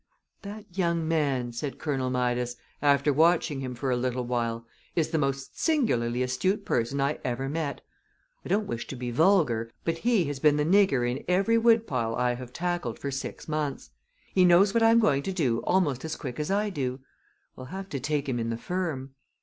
"That young man," said Colonel Midas, after watching him for a little while, "is the most singularly astute person I ever met. I don't wish to be vulgar, but he has been the nigger in every woodpile I have tackled for six months. He knows what I am going to do almost as quick as I do. We'll have to take him in the firm."